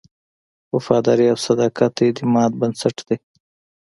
وفاداري او صداقت د اعتماد بنسټ دی.